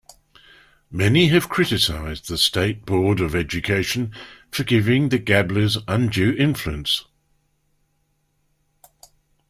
Many have criticized the State Board of Education for giving the Gablers undue influence.